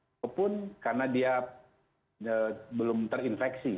ataupun karena dia belum terinfeksi